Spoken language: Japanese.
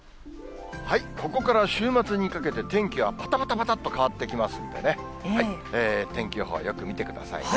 ここから週末にかけて、天気はぱたぱたぱたっと変わってきますんでね、天気予報、よく見てくださいね。